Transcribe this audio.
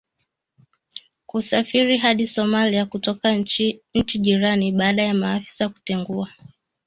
kusafiri hadi Somalia kutoka nchi jirani baada ya maafisa kutengua